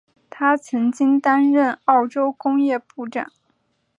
他曾经担任澳洲工业部长。